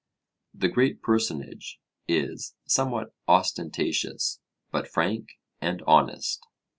The 'great personage' is somewhat ostentatious, but frank and honest.